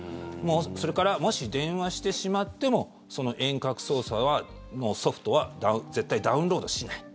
それからもし電話してしまってもその遠隔操作は、ソフトは絶対ダウンロードしない。